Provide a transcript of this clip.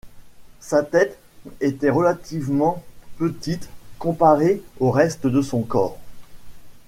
Sa tête était relativement petite comparée au reste de son corps.